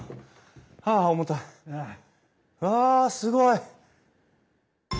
わあすごい！